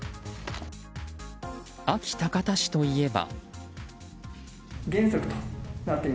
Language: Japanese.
安芸高田市といえば。